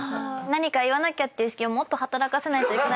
何か言わなきゃって意識をもっと働かせないといけない。